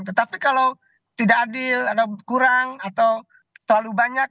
tetapi kalau tidak adil atau kurang atau terlalu banyak